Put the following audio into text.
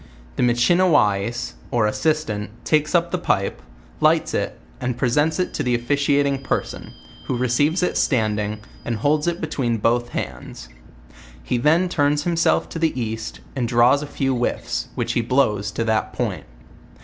The Michiniwais, or Assistant, takes up tne pipe, lights it, and presents it to the officiating person, who receives it standing, and holds it between both his hands. He then turns himself to the east, and draws a few whiffs, which he blows to that point..